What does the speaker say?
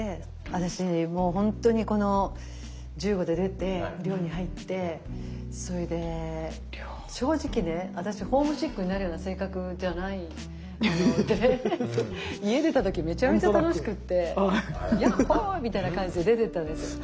私もう本当にこの１５で出て寮に入ってそれで正直ね私ホームシックになるような性格じゃないので家出た時めちゃめちゃ楽しくって「やっほ」みたいな感じで出ていったんですよ。